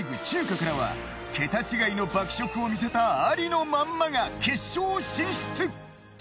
中華からは桁違いの爆食を見せたありのまんまが決勝進出。